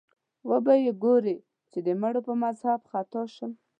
وبه یې ګورې چې د مړو په مذهب خطا شم